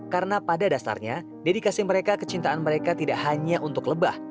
karena pada dasarnya dedikasi mereka kecintaan mereka tidak hanya untuk lebah